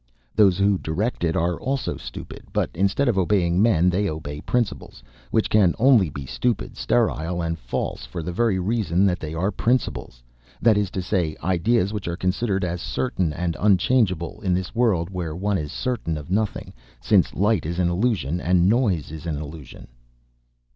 Those who direct it are also stupid; but instead of obeying men they obey principles, which can only be stupid, sterile, and false, for the very reason that they are principles, that is to say, ideas which are considered as certain and unchangeable, in this world where one is certain of nothing, since light is an illusion and noise is an illusion.